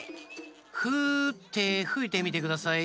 フーッてふいてみてください。